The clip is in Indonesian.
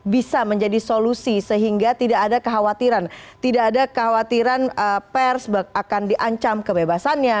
bisa menjadi solusi sehingga tidak ada kekhawatiran tidak ada kekhawatiran pers akan diancam kebebasannya